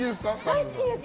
大好きです！